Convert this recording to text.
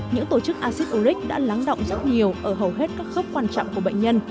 những tổ chức acid uric đã lắng động rất nhiều ở hầu hết các khớp quan trọng của bệnh nhân